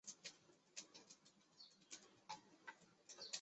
老旧的水上飞机可从严格的结构监管条例豁免。